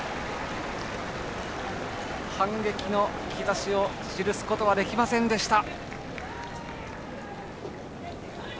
反撃の兆しを記すことはできませんでした。